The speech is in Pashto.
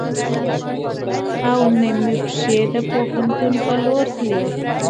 او نه مې پښې د پوهنتون په لور تلې .